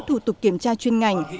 thủ tục kiểm tra chuyên ngành